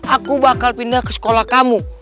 aku bakal pindah ke sekolah kamu